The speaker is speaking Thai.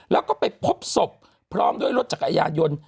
แล้วก็ไปพบศพพร้อมด้วยรถจักรยานยนต์